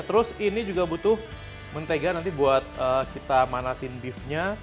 terus ini juga butuh mentega nanti buat kita manasin beefnya